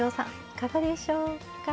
いかがでしょうか？